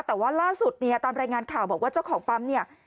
แต่ว่าล่าสุดเนี่ยตามรายงานข่าวบอกว่าเจ้าของปั๊มเนี่ย